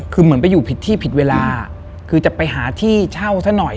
คือเหมือนไปอยู่ผิดที่ผิดเวลาคือจะไปหาที่เช่าซะหน่อย